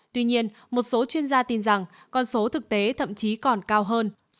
tuy nhiên một số chuyên gia tin rằng con số thực tế thậm chí còn cao hơn